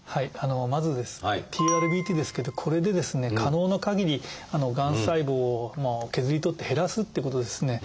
まずですね「ＴＵＲＢＴ」ですけどこれでですね可能なかぎりがん細胞を削り取って減らすっていうことですね。